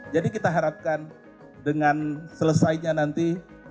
jadi kita harapkan dengan selesainya nanti